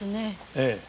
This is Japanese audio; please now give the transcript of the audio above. ええ。